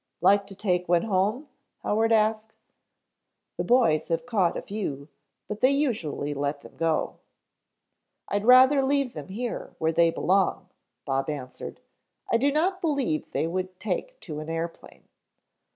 "Like to take one home?" Howard asked. "The boys have caught a few, but they usually let them go." "I'd rather leave them here where they belong," Bob answered. "I do not believe they would take to an airplane."